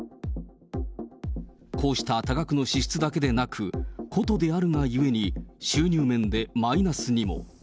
こうした多額の支出だけでなく、古都であるがゆえに、収入面でマイナスにも。